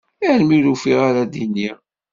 Armi ur ufiɣ ara d-iniɣ.